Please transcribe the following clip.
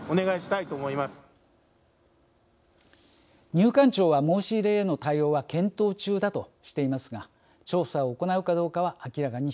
入管庁は申し入れへの対応は検討中だとしていますが調査を行うかどうかは明らかにしていません。